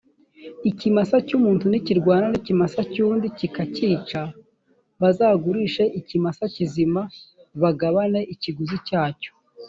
ikimasa cy umuntu nikirwana n ikimasa cy undi kikacyica bazagurishe ikimasa kizima bagabane ikiguzi cyacyo